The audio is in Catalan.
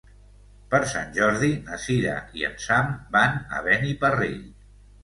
Per Sant Jordi na Cira i en Sam van a Beniparrell.